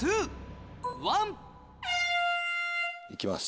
行きます。